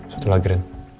satu lagi ren